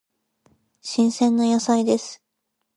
新鮮な野菜です。